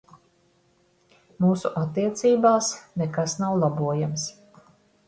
Mūsu attiecībās nekas nav labojams.